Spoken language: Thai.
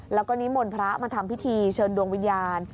แล้วก็นิมนต์พระมาทำพิธีเชิญดวงวิญญาณ